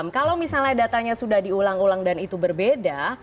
kalau misalnya datanya sudah diulang ulang dan itu berbeda